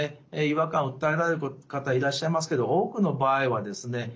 違和感を訴えられる方いらっしゃいますけど多くの場合はですね